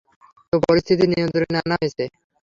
তো, পরিস্থিতি নিয়ন্ত্রনে আনা হয়েছে।